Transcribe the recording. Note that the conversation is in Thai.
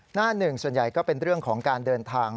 หน้าหนึ่งส่วนใหญ่ก็เป็นเรื่องของการเดินทาง